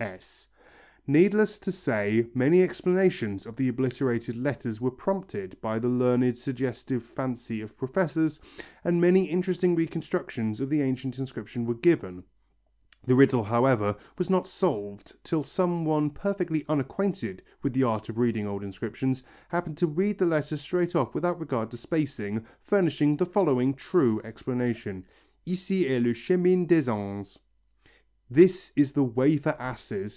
S. Needless to say many explanations of the obliterated letters were prompted by the learned suggestive fancy of professors, and many interesting reconstructions of the ancient inscription were given. The riddle, however, was not solved till some one perfectly unacquainted with the art of reading old inscriptions happened to read the letters straight off without regard to spacing, furnishing the following true explanation: ICI EST LE CHEMIN DES ANES. This is the way for asses!